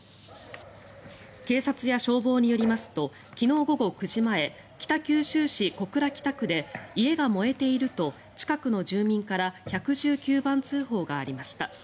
警察や消防によりますと昨日午後９時前北九州市小倉北区で家が燃えていると近くの住民から１１９番通報がありました。